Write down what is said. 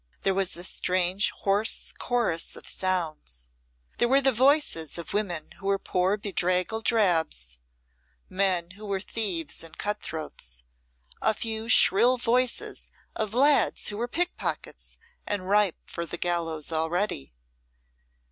There was a strange hoarse chorus of sounds; they were the voices of women who were poor bedraggled drabs, men who were thieves and cutthroats, a few shrill voices of lads who were pickpockets and ripe for the gallows already.